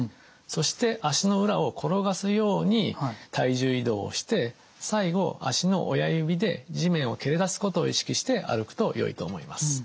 そして足の裏を転がすように体重移動をして最後足の親指で地面を蹴り出すことを意識して歩くとよいと思います。